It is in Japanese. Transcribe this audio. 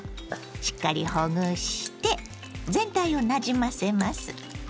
しっかりほぐして全体をなじませます。